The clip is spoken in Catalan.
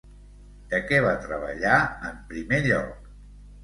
De què va treballar en primer lloc?